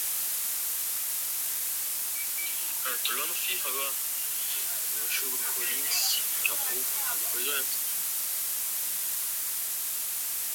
álveo, hipocampo, alvéolos, amículo olivar, ampola, anastomose arteríolovenular, anfiartrose, antitrago, antélice, lacrimal